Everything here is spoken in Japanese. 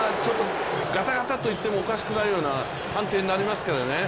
ガタガタッといってもおかしくないような判定になります。